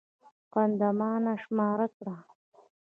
قدمانه شماره کړه.